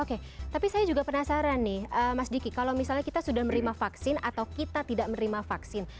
oke tapi saya juga penasaran nih mas diki kalau misalnya kita sudah menerima vaksin atau kita tidak menerima vaksin